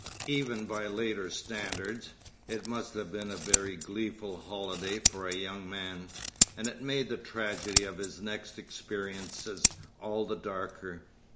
Even by later standards, it must have been a very gleeful holiday for a young man, and it made the tragedy of his next experiences all the darker.